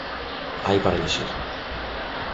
Hai para elixir.